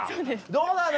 どうなの？